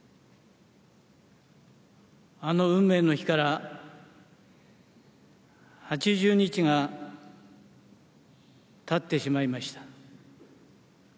あの運命の日から８０日がたってしまいました。